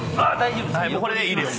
これでいいです。